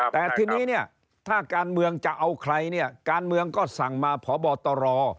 แต่ทีนี้เนี่ยถ้าการเมืองจะเอาใครเนี่ยการเมืองก็สั่งมาพบตร